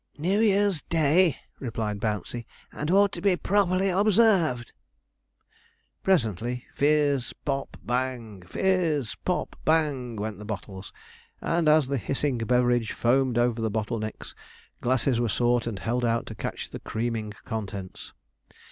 'New Year's Day,' replied Bouncey, 'and ought to be properly observed.' Presently, Fiz z, pop, bang! Fiz z, pop, bang! went the bottles; and, as the hissing beverage foamed over the bottle necks, glasses were sought and held out to catch the creaming contents.